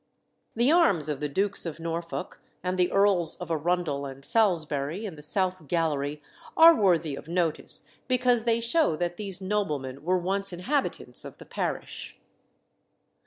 The arms of the Dukes of Norfolk and the Earls of Arundel and Salisbury, in the south gallery, are worthy of notice, because they show that these noblemen were once inhabitants of the parish.